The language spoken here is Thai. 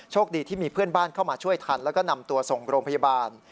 คดีที่มีเพื่อนบ้านเข้ามาช่วยทันแล้วก็นำตัวส่งโรงพยาบาล